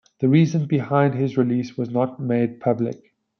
The reason behind his release was not made public.